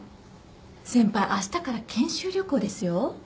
先輩あしたから研修旅行ですよ。